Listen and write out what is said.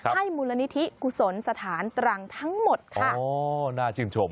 ให้มูลนิธิกุศลสถานตรังทั้งหมดค่ะอ๋อน่าชื่นชม